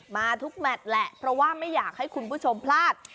มาทุกแมทแหละเพราะว่าไม่อยากให้คุณผู้ชมพลาด